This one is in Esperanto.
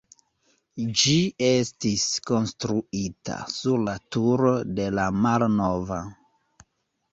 Ĝi estis konstruita sur la turo de la malnova.